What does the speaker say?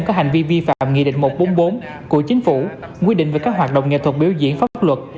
có hành vi vi phạm nghị định một trăm bốn mươi bốn của chính phủ quy định về các hoạt động nghệ thuật biểu diễn pháp luật